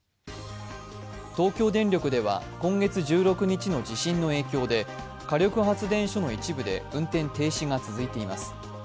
東京電力では今月１６日の地震の影響で火力発電所の一部で運転停止が続いています。